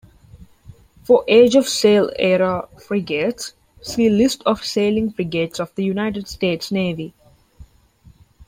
For age-of-sail era frigates, see List of sailing frigates of the United States Navy.